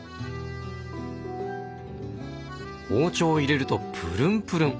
包丁を入れるとプルンプルン！